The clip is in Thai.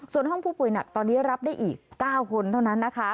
ส่วนห้องผู้ป่วยหนักตอนนี้รับได้อีก๙คนเท่านั้นนะคะ